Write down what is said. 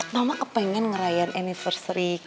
mama kepengen ngerayain anniversary